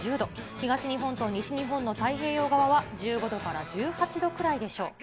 東日本と西日本の太平洋側は、１５度から１８度くらいでしょう。